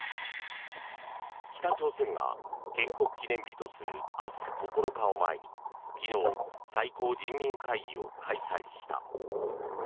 北朝鮮が建国記念日とする明日９日を前に昨日、最高人民会議を開催した。